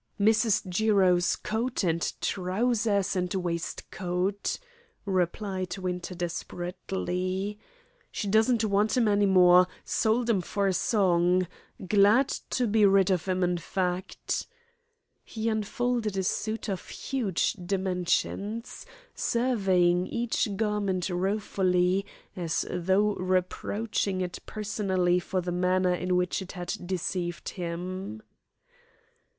"Mrs. Jiro's coat, and trousers, and waistcoat," replied Winter desperately. "She doesn't want 'em any more; sold 'em for a song glad to be rid of 'em, in fact." He unfolded a suit of huge dimensions, surveying each garment ruefully, as though reproaching it personally for the manner in which it had deceived him.